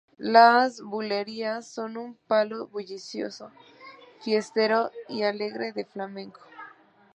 Las bulerías son un palo bullicioso, fiestero y alegre del flamenco.